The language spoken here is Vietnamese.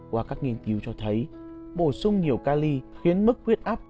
qua các nghiên cứu cho thấy bổ sung nhiều cali khiến mức huyết áp